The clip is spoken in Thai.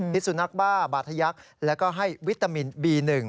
สุนัขบ้าบาธยักษ์แล้วก็ให้วิตามินบี๑